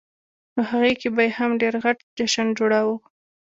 نوهغې کې به یې هم ډېر غټ جشن جوړاوه.